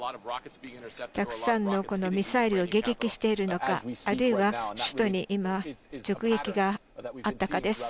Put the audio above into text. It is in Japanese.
たくさんのミサイルを迎撃しているのかあるいは、首都に今直撃があったかです。